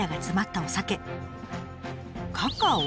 カカオ？